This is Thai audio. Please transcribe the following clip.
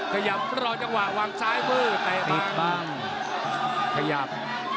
ขยับรอจังหวะวางซ้ายมือตายบ้างขยับ